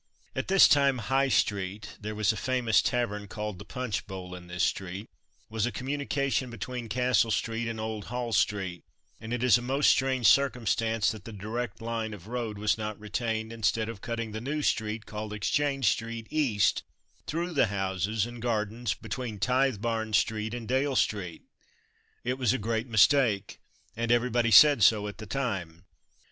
At this time High street (there was a famous tavern called the "Punch Bowl" in this street) was the communication between Castle street and Old Hall street, and it is a most strange circumstance that the direct line of road was not retained instead of cutting the new street called Exchange street East through the houses and gardens between Tithebarn street and Dale street. It was a great mistake, and everybody said so at the time.